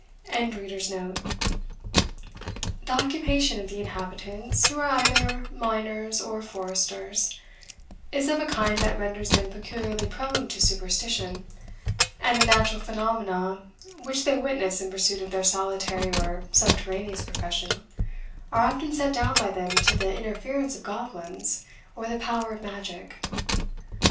] The occupation of the inhabitants, who are either miners or foresters, is of a kind that renders them peculiarly prone to superstition, and the natural phenomena which they witness in pursuit of their solitary or subterraneous profession, are often set down by them to the interference of goblins or the power of magic.